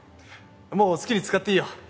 もう好きに使っていいよ。